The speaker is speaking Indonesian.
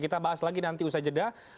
kita bahas lagi nanti usai jeda